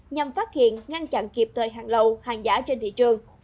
nhằm phát hiện ngăn chặn kịp thời hàng lậu hàng giả trên thị trường